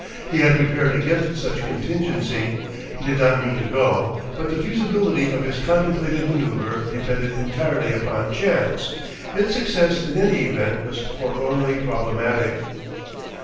He had prepared against such contingency, he did not mean to go; but the feasibility of his contemplated manoeuvre depended entirely upon chance, its success in any event was forlornly problematic.